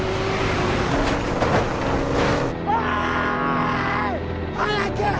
おーい！早く